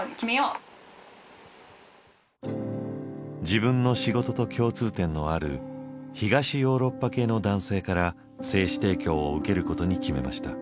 自分の仕事と共通点のある東ヨーロッパ系の男性から精子提供を受けることに決めました。